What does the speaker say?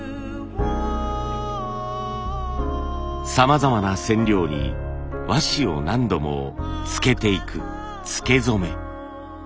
さまざまな染料に和紙を何度もつけていくつけ染め。